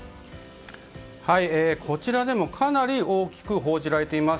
こちらでもかなり大きく報じられています。